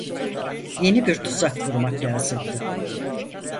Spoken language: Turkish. Yeni bir tuzak kurmak lazımdı.